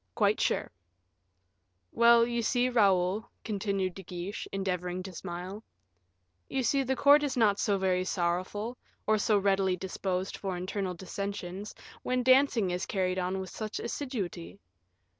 "Quite sure." "Well, you see, Raoul," continued De Guiche, endeavoring to smile, "you see, the court is not so very sorrowful, or so readily disposed for internal dissensions, when dancing is carried on with such assiduity.